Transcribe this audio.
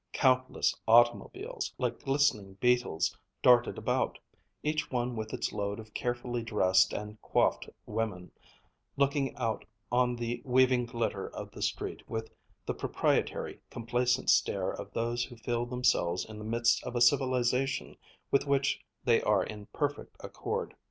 Countless automobiles, like glistening beetles, darted about, each one with its load of carefully dressed and coiffed women, looking out on the weaving glitter of the street with the proprietary, complacent stare of those who feel themselves in the midst of a civilization with which they are in perfect accord.